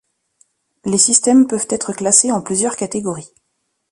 Les systèmes peuvent être classés en plusieurs catégories.